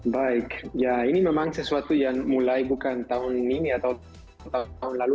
baik ya ini memang sesuatu yang mulai bukan tahun ini atau tahun lalu